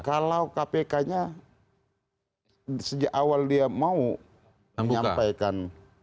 kalau kpk nya sejak awal dia mau menyampaikan